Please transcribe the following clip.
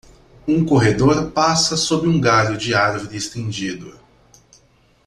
Um corredor passa sob um galho de árvore estendido.